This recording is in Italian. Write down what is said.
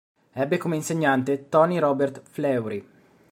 Ebbe come insegnante Tony Robert-Fleury.